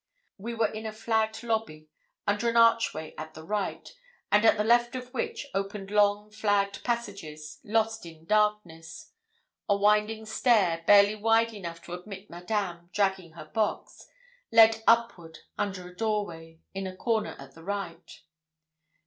We were in a flagged lobby, under an archway at the right, and at the left of which opened long flagged passages, lost in darkness; a winding stair, barely wide enough to admit Madame, dragging her box, led upward under a doorway, in a corner at the right.